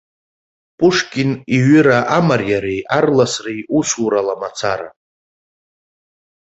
Пушкин иҩыра амариареи, арласреи усурала мацара.